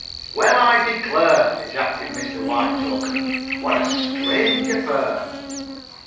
"Well, I declare!" ejaculated Mr. Whitechoker. "What a strange affair!"